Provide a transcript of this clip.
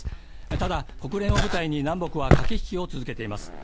ただ国連を舞台に南北は駆け引きを続けています